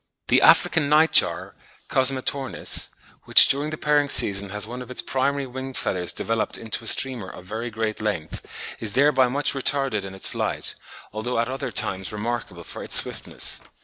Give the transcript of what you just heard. The African night jar (Cosmetornis), which during the pairing season has one of its primary wing feathers developed into a streamer of very great length, is thereby much retarded in its flight, although at other times remarkable for its swiftness.